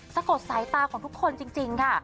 สะกดสายตาของทุกคนจริงค่ะ